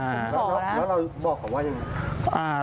แล้วเราบอกเขาว่ายังไง